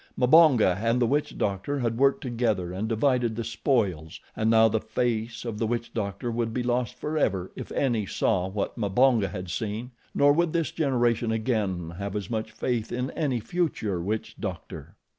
Mbonga and the witch doctor had worked together and divided the spoils, and now the "face" of the witch doctor would be lost forever if any saw what Mbonga had seen; nor would this generation again have as much faith in any future witch doctor.